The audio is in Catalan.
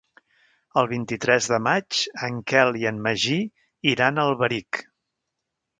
El vint-i-tres de maig en Quel i en Magí iran a Alberic.